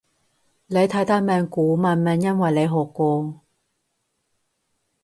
你睇得明古文因為你學過